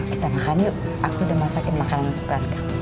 kita makan yuk aku udah masakin makanan yang suka